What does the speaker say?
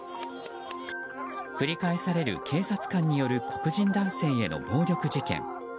繰り返される、警察官による黒人男性への暴力事件。